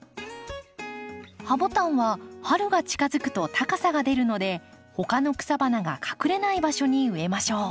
ハボタンは春が近づくと高さが出るので他の草花が隠れない場所に植えましょう。